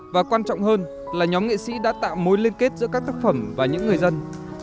và quan trọng hơn là nhóm nghệ sĩ đã tạo mối liên kết giữa các tác phẩm và những người dân